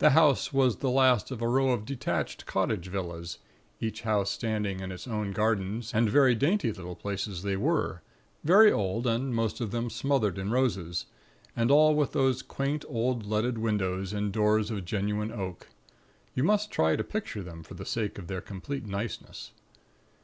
The house was the last of a row of detached cottage villas, each house standing in its own garden; and very dainty little places they were, very old, and most of them smothered in roses; and all with those quaint old leaded windows, and doors of genuine oak. You must try to picture them for the sake of their complete niceness.